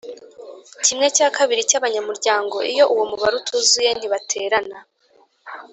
kimwe cya kabiri cy’abanyamuryango Iyo uwo mubare utuzuye ntibaterana